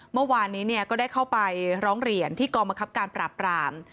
เมื่อวานนี้ก็ได้เข้าไปร้องเรียนที่กองบังคับการปราบราม